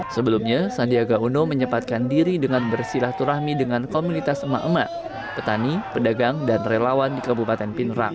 sebelumnya sandiaga uno menyepatkan diri dengan bersilaturahmi dengan komunitas emak emak petani pedagang dan relawan di kabupaten pinerang